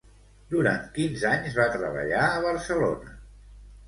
Durant quins anys va treballar a Barcelona?